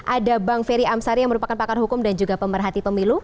ada bang ferry amsari yang merupakan pakar hukum dan juga pemerhati pemilu